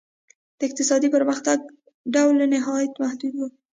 د اقتصادي پرمختګ ډول نهایتاً محدود و.